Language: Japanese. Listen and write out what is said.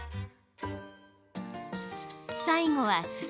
最後は、裾。